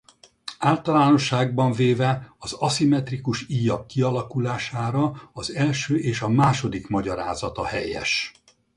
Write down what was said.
Általánosságban véve az aszimmetrikus íjak kialakulására az első és a második magyarázat a helyes.